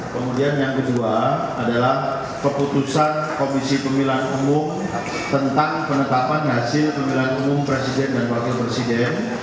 kemudian yang kedua adalah keputusan komisi pemilihan umum tentang penetapan hasil pemilihan umum presiden dan wakil presiden